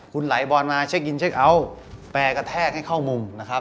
คุณไหลบอลมาเช็คอินเช็คเอาท์แปรกระแทกให้เข้ามุมนะครับ